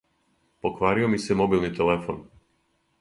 Покварио ми се мобилни телефон.